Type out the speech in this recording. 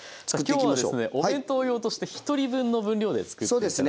今日はですねお弁当用として１人分の分量で作って頂きます。